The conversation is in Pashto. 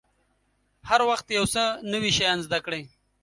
هر وخت یو څه نوي شیان زده کړئ.